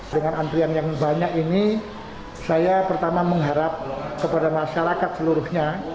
dengan antrian yang banyak ini saya pertama mengharap kepada masyarakat seluruhnya